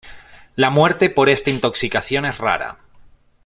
La muerte por esta intoxicación es rara.